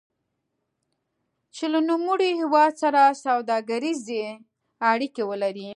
چې له نوموړي هېواد سره سوداګریزې اړیکې ولري.